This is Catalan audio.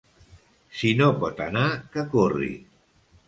Si no pot anar, que corri.